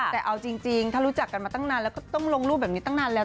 แต่เอาจริงถ้ารู้จักกันมาตั้งนานแล้วก็ต้องลงรูปแบบนี้ตั้งนานแล้ว